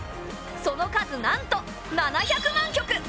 その数なんと７００万局！